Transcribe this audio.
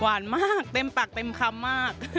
หวานมากเต็มปักเต็มคำมาก